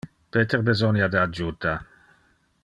Peter besonia de adjuta.